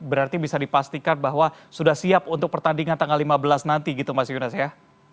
berarti bisa dipastikan bahwa sudah siap untuk pertandingan tanggal lima belas nanti gitu mas yunas ya